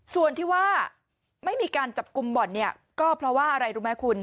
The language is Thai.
ส่วนที่ว่าไม่มีการจับกลุ่มบ่อนเนี่ยก็เพราะว่าอะไรรู้ไหมคุณ